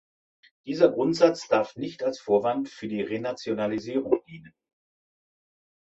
Dieser Grundsatz darf nicht als Vorwand für die Renationalisierung dienen.